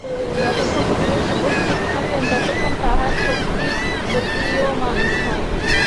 যতক্ষণ পুরুষ উপস্থিত থাকেন, ততক্ষণই তাহার শক্তি প্রতীয়মান হয়।